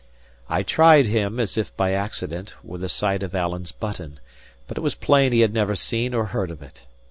I tried him, as if by accident, with a sight of Alan's button; but it was plain he had never seen or heard of it.